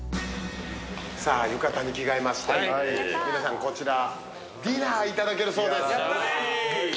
さあ、浴衣に着替えまして皆さんこちら、ディナーいただけるそうです。